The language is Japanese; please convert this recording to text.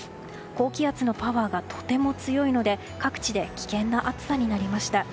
高気圧のパワーがとても強いので各地で危険な暑さになりました。